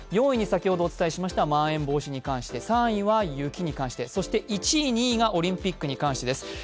４位に先ほどお伝えしました、まん延防止について、３位は雪に関して、そして１位、２位がオリンピックに関してです。